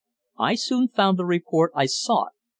I soon found the report I sought.